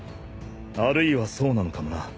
あるいはそうなのかもな。